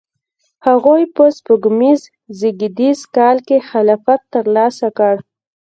هغوی په سپوږمیز زیږدیز کال کې خلافت ترلاسه کړ.